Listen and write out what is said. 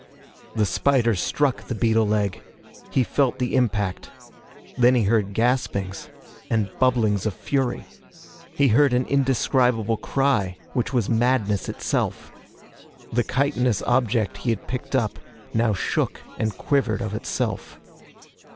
The spider struck the beetle leg. He felt the impact. Then he heard gaspings and bubblings of fury. He heard an indescribable cry which was madness itself. The chitinous object he had picked up now shook and quivered of itself.